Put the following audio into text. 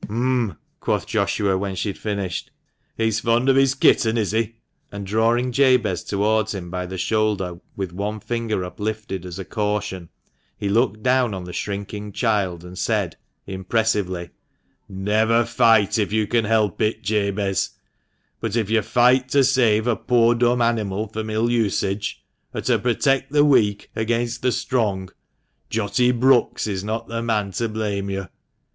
" Um !" quoth Joshua, when she had finished, " he's fond of his kitten, is he?" and drawing Jabez towards him by the shoulder, with one finger uplifted as a caution, he looked down on the shrinking child, and said, impressively —" Never fight if you can help it, Jabez ; but if you fight to save a poor dumb animal from ill usage, or to protect the weak against 66 THE MANCHESTER MAN. the strong, Jotty Brucks is not the man to blame you.